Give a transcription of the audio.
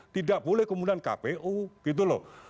tidak boleh kemudian kpu gitu loh